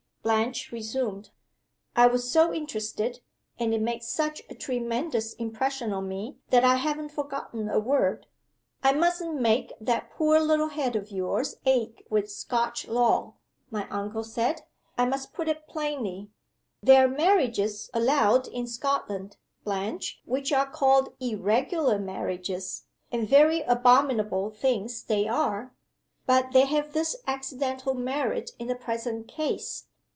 Blanche resumed: "I was so interested, and it made such a tremendous impression on me, that I haven't forgotten a word. 'I mustn't make that poor little head of yours ache with Scotch law,' my uncle said; 'I must put it plainly. There are marriages allowed in Scotland, Blanche, which are called Irregular Marriages and very abominable things they are. But they have this accidental merit in the present case.